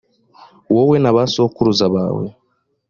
wowe n’abasokuruza bawe,